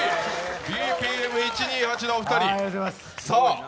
ＢＰＭ１２８のお二人。